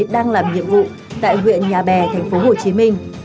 đang làm nhiệm vụ tại huyện nhà bè thành phố hồ chí minh